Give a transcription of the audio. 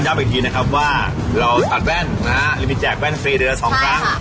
เน้นยับอีกทีนะครับว่าเราตัดแว่นนะครับรีมีแจกแว่นฟรีเดียวละสองครั้ง